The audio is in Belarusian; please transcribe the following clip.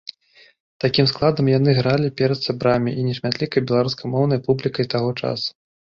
Такім складам яны гралі перад сябрамі і нешматлікай беларускамоўнай публікай таго часу.